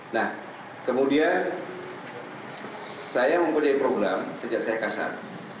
nah kemudian saya mempunyai program sejak saya kasar